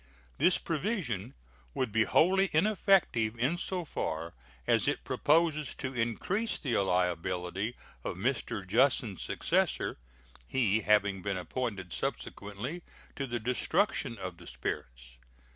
This provision would be wholly ineffective in so far as it proposes to increase the liability of Mr. Jussen's successor, he having been appointed subsequently to the destruction of the spirits.